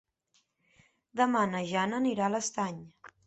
Demà na Jana anirà a l'Estany.